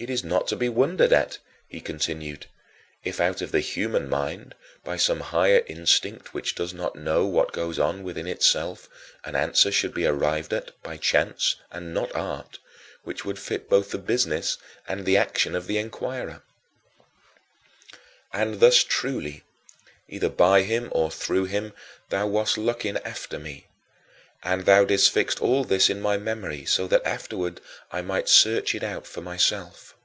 "It is not to be wondered at," he continued, "if out of the human mind, by some higher instinct which does not know what goes on within itself, an answer should be arrived at, by chance and not art, which would fit both the business and the action of the inquirer." 6. And thus truly, either by him or through him, thou wast looking after me. And thou didst fix all this in my memory so that afterward I might search it out for myself.